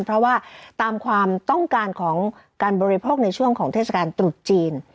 เพราะว่าตามความต้องการของการบริโภคในช่วงของเทศกาลตรุษจีน